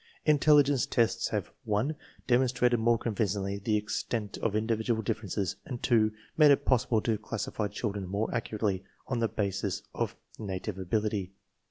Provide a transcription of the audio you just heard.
Intelligence tests have ■ 4 (1) demonstrated more convincingly the extent of ^individual differences and (2) made _it_possible to classify children more accurately on the basis of native ^ability.